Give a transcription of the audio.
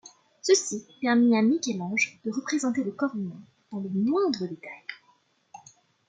Ceci permit à Michel-Ange de représenter le corps humain dans le moindre détail.